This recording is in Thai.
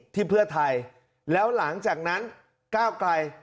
ที่เพื่อไทยแล้วหลังจากนั้นก้าวไกล